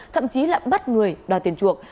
thậm chí là bắt người đòi tiền chuộc